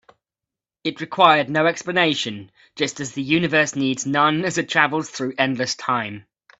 It required no explanation, just as the universe needs none as it travels through endless time.